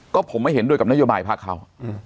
ก็ผมไม่เห็นด้วยกับนโยบายภาคเขา